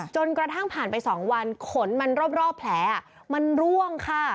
จนกระทั่งผ่านไป๒วันขนมันรอบแผลมันร่วงค่ะ